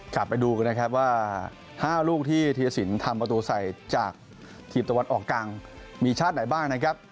กลับไปดูกันนะครับว่า๕ลูกที่ธีรสินทำประตูใส่จากทีมตะวันออกกลางมีชาติไหนบ้างนะครับ